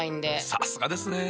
さすがですね。